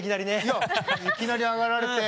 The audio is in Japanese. いやいきなり上がられて。